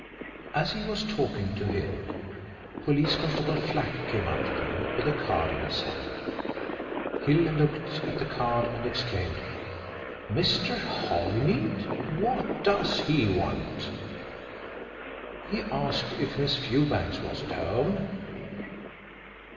As he was talking to Hill, Police Constable Flack came up to them with a card in his hand. Hill looked at the card and exclaimed: "Mr. Holymead? What does he want?" "He asked if Miss Fewbanks was at home."